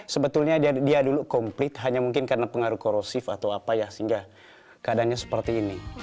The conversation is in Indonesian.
sebetulnya dia dulu komplit hanya mungkin karena pengaruh korosif atau apa ya sehingga keadaannya seperti ini